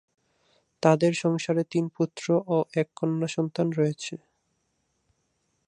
তাদের সংসারে তিন পুত্র ও এক কন্যা সন্তান রয়েছে।